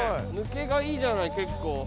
抜けがいいじゃない結構。